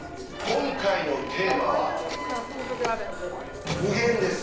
今回のテーマは「無限」です。